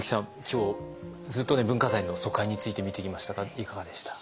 今日ずっと文化財の疎開について見てきましたがいかがでした？